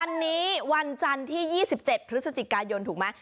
วันนี้วันจันทร์ที่๒๗พฤศจิกายนถูกไหม